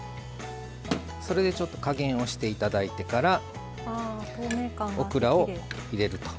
それで、ちょっと加減をしていただいてからオクラを入れると。